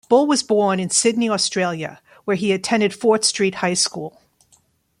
Bull was born in Sydney, Australia, where he attended Fort Street High School.